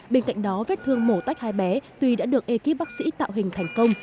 bên cạnh đó vết thương mổ tách hai bé tuy đã được ekip bác sĩ tạo hình thành công